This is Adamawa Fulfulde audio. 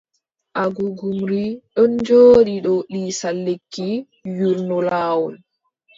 Agugumri ɗon jooɗi dow lisal lekki yuurno laawol.